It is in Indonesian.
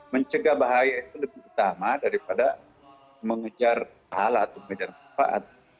mencegah bahaya itu lebih utama daripada mengejar pahala atau mengejar manfaat